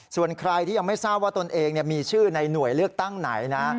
ส่วนใครที่ยังไม่ทราบว่าตนเองมีชื่อในหน่วยเลือกตั้งไหนนะ